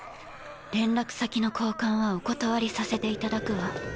連絡先の交換はお断りさせていただくわ。